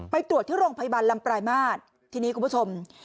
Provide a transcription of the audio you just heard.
ไปตรวจที่โรงพยาบาลลำปลายมาตรทีนี้คุณผู้ชม